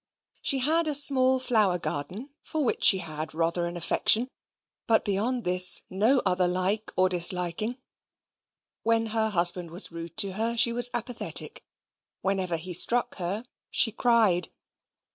She had a small flower garden, for which she had rather an affection; but beyond this no other like or disliking. When her husband was rude to her she was apathetic: whenever he struck her she cried.